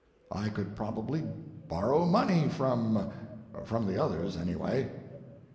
I could probably borrow money from—from the others, anyway.